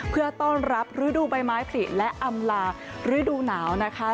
เพื่อต้อนรับฤดูใบไม้ผลิและอำลาฤดูหนาวนะคะ